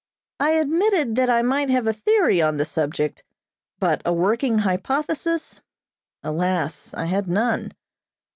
I admitted that I might have a theory on the subject, but a "working hypothesis," alas, I had none.